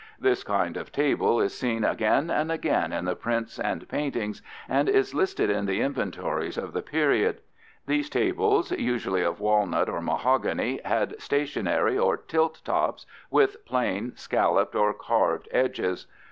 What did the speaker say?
This kind of table is seen again and again in the prints and paintings (figs. 1, 2, 9, 14), and is listed in the inventories of the period. These tables, usually of walnut or mahogany, had stationary or tilt tops with plain, scalloped, or carved edges.